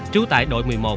chú tại đội một mươi một